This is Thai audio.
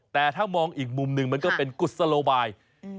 แต่ถ้ามองอีกมุมหนึ่งมันก็เป็นกุศโลบาย